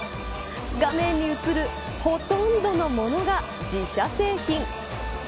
画面に映るほとんどのものが自社製品。